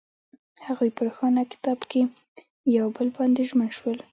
هغوی په روښانه کتاب کې پر بل باندې ژمن شول.